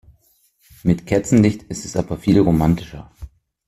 Mit Kerzenlicht ist es aber viel romantischer.